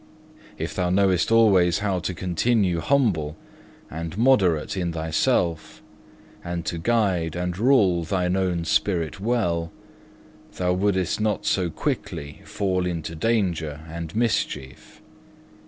If thou knewest always how to continue humble and moderate in thyself, and to guide and rule thine own spirit well, thou wouldest not so quickly fall into danger and mischief.